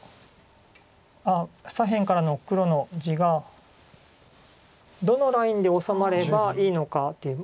左辺からの黒の地がどのラインで治まればいいのかっていう。